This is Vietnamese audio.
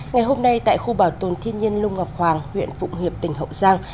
ngày hôm nay tại khu bảo tồn thiên nhiên lung ngọc hoàng huyện phụng hiệp tỉnh hậu giang